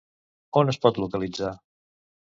On es pot localitzar?